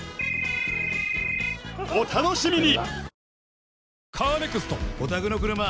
お楽しみに！